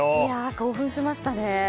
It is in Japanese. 興奮しましたね。